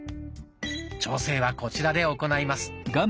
調整はこちらで行います。